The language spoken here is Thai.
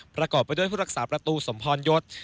ประกอบไปด้วยผู้รักษาประตูสมพรยศ